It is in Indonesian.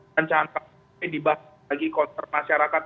dan cantiknya dibahas lagi konten masyarakat